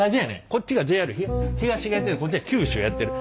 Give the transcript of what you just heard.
こっちがＪＲ東がやっててこっちは九州やってる。